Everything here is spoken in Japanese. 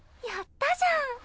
やったじゃん。